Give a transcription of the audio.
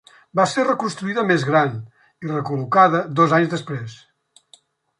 Va ser reconstruïda més gran i recol·locada dos anys després.